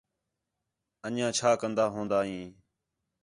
انجیاں چھا کندہ ہوندا ھیں